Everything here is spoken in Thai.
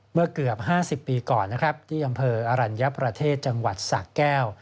เมื่อเกือบ๕๐ปีก่อนนะครับที่อำเภออรัญญประเทศจังหวัดสะแก้ว